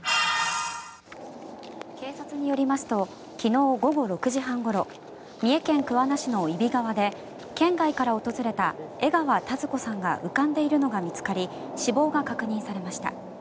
警察によりますと昨日午後６時半ごろ三重県桑名市の揖斐川で県外から訪れた江川田鶴子さんが浮かんでいるのが見つかり死亡が確認されました。